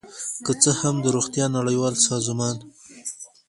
که څه هم د روغتیا نړیوال سازمان